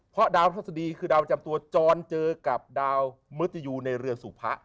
เพราะดาวทัศดีคือดาวจำตัวจรเจอกับดาวมฤตยูในเรือนสุพะ